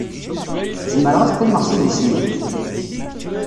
Zemreɣ ad qqimeɣ s idis-nnek?